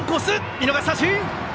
見逃し三振！